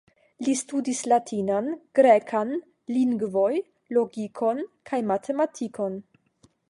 Li studis latinan, grekan lingvoj, logikon kaj matematikon.